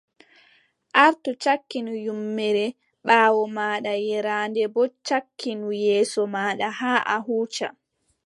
Artu cakkinu ƴummere ɓaawo maaɗa, yeeraande boo cakkinu yeeso maaɗa haa a huuca.